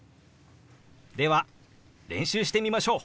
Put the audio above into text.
では練習してみましょう！